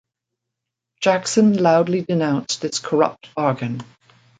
Jackson loudly denounced this corrupt bargain.